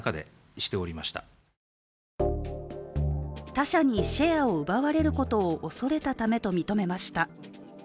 他社にシェアを奪われることを恐れたためと認めました。